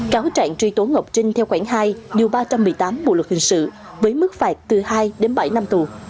cáo trạng truy tố ngọc trinh theo khoảng hai điều ba trăm một mươi tám bộ luật hình sự với mức phạt từ hai đến bảy năm tù